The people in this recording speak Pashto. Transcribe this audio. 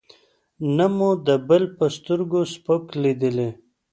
نه مو د بل په سترګو سپک لېدلی.